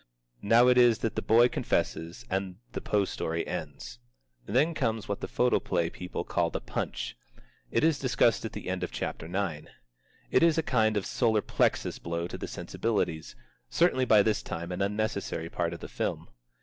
Now it is that the boy confesses and the Poe story ends. Then comes what the photoplay people call the punch. It is discussed at the end of chapter nine. It is a kind of solar plexus blow to the sensibilities, certainly by this time an unnecessary part of the film.